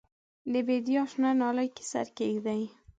د بیدیا شنه نیالۍ کې سر کښېږدي